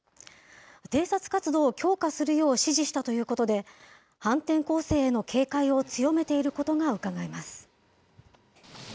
偵察活動を強化するよう指示したということで、反転攻勢への警戒を強めていることがうかがえます。